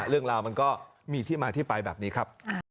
เรื่องราวมันก็มีที่มาที่ไปแบบนี้ครับ